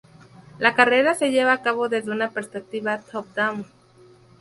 La carrera se lleva a cabo desde una perspectiva top-down.